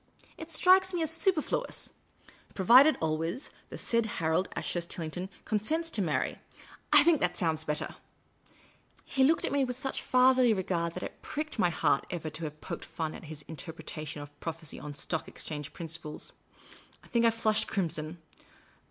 It strikes me as superfluous. * Provided always the said Harold Ashurst Tillington consents to marry '— I think that sounds better !" He looked at me with such fatherly regard that it pricked my heart ever to have poked fun at his Interpretation of Prophecy on Stock Exchange principles. I think I flushed crimson.